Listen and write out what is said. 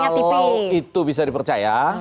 kalau itu bisa dipercaya